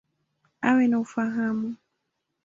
Awe na ufahamu.